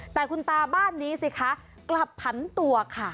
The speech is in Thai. แต่คุณตาบ้านนี้สิคะกลับผันตัวค่ะ